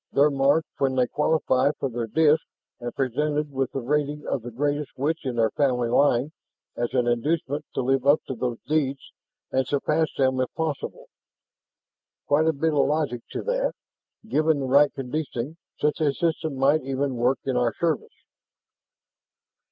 They're marked when they qualify for their disk and presented with the rating of the greatest witch in their family line as an inducement to live up to those deeds and surpass them if possible. Quite a bit of logic to that. Given the right conditioning, such a system might even work in our service."